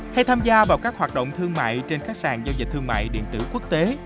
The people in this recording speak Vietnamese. hay tham gia vào các hoạt động thương mại trên các sàn giao dịch thương mại điện tử quốc tế